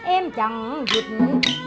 em chẳng dịch